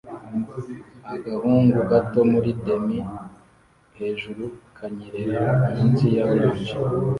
Agahungu gato muri denim hejuru kanyerera munsi ya orange